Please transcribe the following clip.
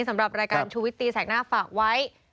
สำหรับรายการชูวิตตีแสกหน้าฝากไว้